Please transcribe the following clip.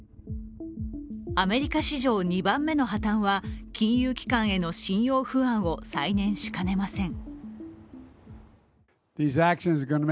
アメリカ史上２番目の破綻は金融機関への信用不安を再燃しかねません。